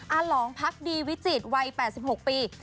หลองพักดีวิจิตรวัย๘๖ปี